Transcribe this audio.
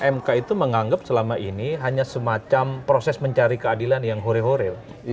mk itu menganggap selama ini hanya semacam proses mencari keadilan yang hore horil